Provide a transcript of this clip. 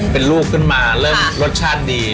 เป็นลูกขึ้นมาเริ่มรสชาติดี